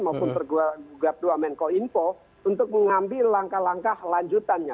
maupun gap dua menko info untuk mengambil langkah langkah lanjutannya